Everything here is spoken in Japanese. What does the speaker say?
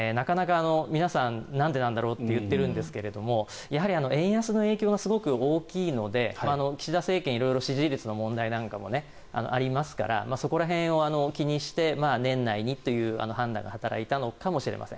これは皆さんなんでなんだろうと言っていますが、円安の影響がすごく大きいので岸田政権は色々支持率の問題なんかもありますからそこら辺を気にして年内にという判断が働いたのかもしれません。